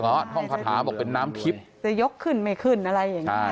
ความภัทราบอกเป็นน้ำทิศจะยกขึ้นไม่ขึ้นอะไรอย่างงี้ใช่